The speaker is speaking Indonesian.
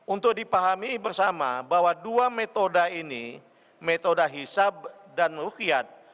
untuk dipahami bersama bahwa dua metode ini metode hisab dan ruhyat